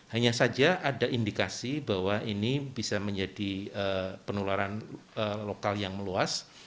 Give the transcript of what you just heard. hanya saja ada indikasi bahwa ini bisa menjadi penularan lokal yang meluas